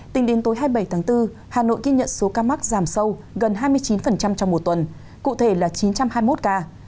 tính đến tối hai mươi bảy tháng bốn hà nội ghi nhận số ca mắc giảm sâu gần hai mươi chín trong một tuần cụ thể là chín trăm hai mươi một ca